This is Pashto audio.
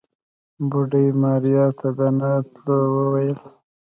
بوډۍ ماريا ته د نه تلو وويل.